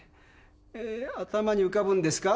頭に浮かぶんですか？